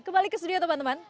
kembali ke studio teman teman